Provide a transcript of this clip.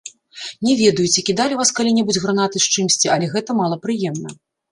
Не ведаю, ці кідалі ў вас калі-небудзь гранаты з чымсьці, але гэта малапрыемна.